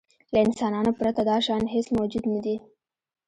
له انسانانو پرته دا شیان هېڅ موجود نهدي.